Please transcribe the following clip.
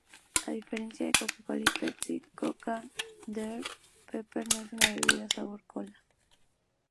A diferencia de Coca-Cola y Pepsi-Cola, Dr Pepper no es una bebida sabor "cola".